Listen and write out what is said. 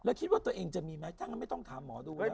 แล้วคิดว่าตัวเองจะมีมั้ยไม่ต้องถามหมอดู